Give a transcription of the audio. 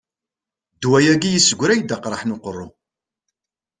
Ddwa-agi yesseggray-d aqraḥ n uqerru.